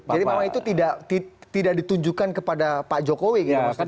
jadi pak fadlizon tidak ditunjukkan kepada pak jokowi